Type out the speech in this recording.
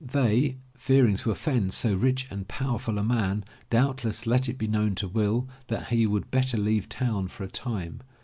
They, fearing to offend so rich and powerful a man, doubtless let it be known to Will that he would better leave town for a time.